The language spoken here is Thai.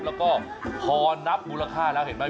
แล้วก็พอนับมูลค่าแล้วเห็นไหม